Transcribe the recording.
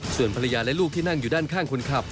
ส่วนภรรยาและลูกที่นั่งอยู่ด้านข้างคนขับ